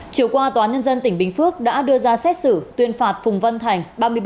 chiều qua tòa nhân dân tỉnh bình phước đã đưa ra xét xử tuyên phạt phùng văn thành